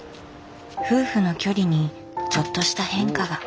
夫婦の距離にちょっとした変化が。